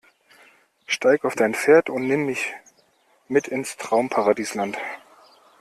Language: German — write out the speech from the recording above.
Steig auf dein Pferd und nimm mich mit ins Traumparadisland.